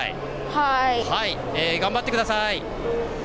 はーい。頑張ってください！